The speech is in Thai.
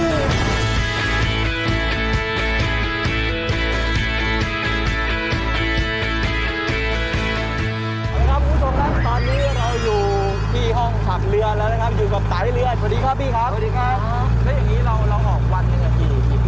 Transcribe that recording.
สวัสดีครับคุณผู้ชมครับตอนนี้เราอยู่ที่ห้องขับเรือแล้วนะครับ